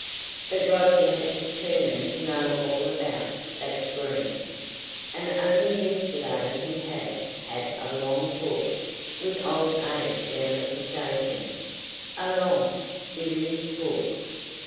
But Roger had determined to know all about that "scream," and only yesterday he had had a long talk with old Abe down at the station; a long, serious talk.